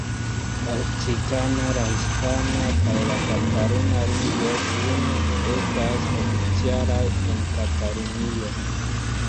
La okcitana, la hispana kaj kataluna lingvoj kune estas oficialaj en Katalunio.